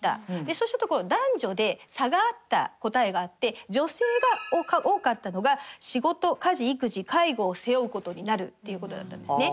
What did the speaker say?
そうしたところ男女で差があった答えがあって女性が多かったのが仕事・家事・育児・介護を背負うことになるということだったんですね。